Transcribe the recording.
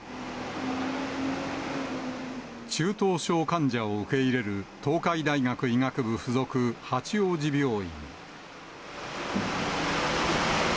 中等症患者を受け入れる、東海大学医学部付属八王子病院。